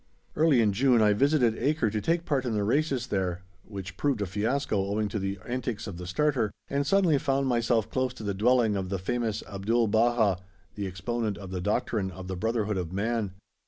Early in July I visited Acre to take part in the races there (which proved a fiasco owing to the antics of the starter), and suddenly found myself close to the dwelling of the famous Abdul Baha, the exponent of the doctrine of the Brotherhood of Man.